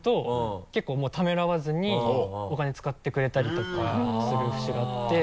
結構ためらわずにお金使ってくれたりとかする節があって。